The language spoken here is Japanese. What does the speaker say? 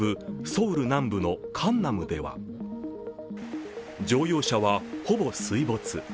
ソウル南部のカンナムでは乗用車は、ほぼ水没。